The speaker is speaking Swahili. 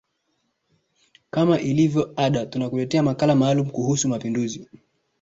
kama ilivyo ada tunakuletea makala maalumu kuhushu mapinduzi